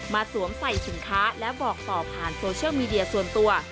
สวมใส่สินค้าและบอกต่อผ่านโซเชียลมีเดียส่วนตัว